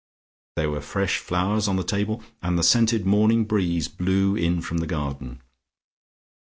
There were fresh flowers on the table, and the scented morning breeze blew in from the garden.